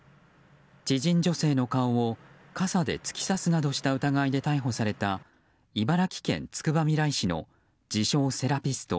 知人女性の顔を傘で突き刺すなどした疑いで逮捕された茨城県つくばみらい市の自称セラピスト